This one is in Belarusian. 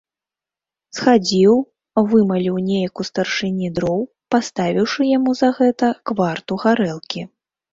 Схадзіў, вымаліў неяк у старшыні дроў, паставіўшы яму за гэта кварту гарэлкі.